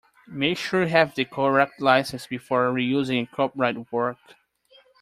Make sure you have the correct licence before reusing a copyright work